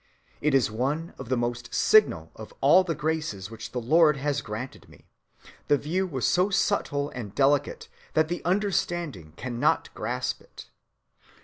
It is one of the most signal of all the graces which the Lord has granted me.... The view was so subtile and delicate that the understanding cannot grasp it."